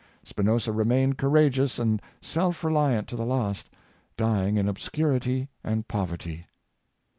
Spinoza remained courageous and self reliant to the last, dying in obscurity and poverty.